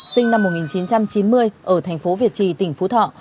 sinh năm một nghìn chín trăm chín mươi ở thành phố việt trì tỉnh phú thọ